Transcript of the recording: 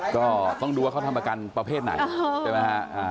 ก็ต้องดูว่าเขาทำประกันประเภทไหนใช่ไหมฮะ